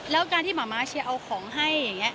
แล้วการที่หม่าม้าเชียร์เอาของให้